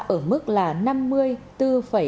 năm mươi bốn bảy triệu đồng